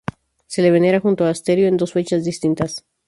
Se le venera junto a Asterio, en dos fechas distintas.